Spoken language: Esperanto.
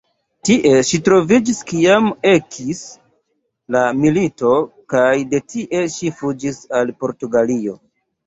Tie ŝi troviĝis kiam ekis la milito, kaj de tie ŝi fuĝis al Portugalio.